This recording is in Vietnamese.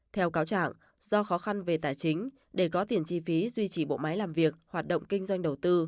theo cáo trạng do khó khăn về tài chính để có tiền chi phí duy trì bộ máy làm việc hoạt động kinh doanh đầu tư